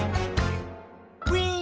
「ウィン！」